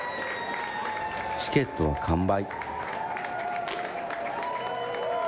チケットは完売。